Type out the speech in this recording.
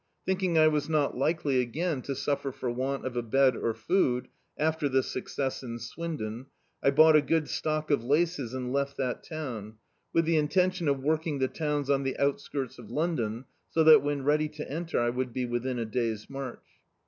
Thinking I was not likely again to suffer for want of a bed or food, after this success in Swindon, I bought a good stock of laces and left that town, with the intention of working the towns on the outskirts of London, so that when ready to enter I would be within a day's march.